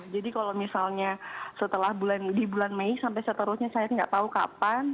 jadi kalau misalnya setelah bulan di bulan mei sampai seterusnya saya nggak tahu kapan